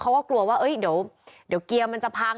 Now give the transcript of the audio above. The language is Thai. เขาก็กลัวว่าเดี๋ยวเกียร์มันจะพัง